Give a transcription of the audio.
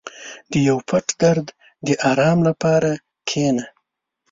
• د یو پټ درد د آرام لپاره کښېنه.